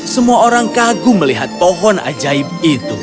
semua orang kagum melihat pohon ajaib itu